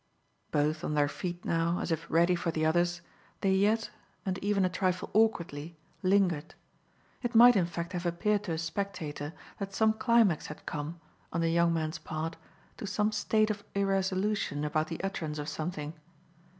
Both on their feet now, as if ready for the others, they yet and even a trifle awkwardly lingered. It might in fact have appeared to a spectator that some climax had come, on the young man's part, to some state of irresolution about the utterance of something.